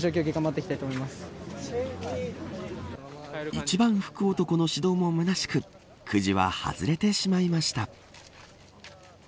一番福男の指導もむなしくくじは外れてしまいました。